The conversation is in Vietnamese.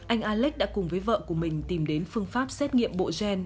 anh alex đã cùng với vợ của mình tìm đến phương pháp xét nghiệm bộ gen